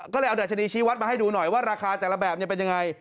ก็เลยเอาดัชนีชี้วัดมาให้ดูหน่อยว่าราคาแต่ละแบบเป็นยังไง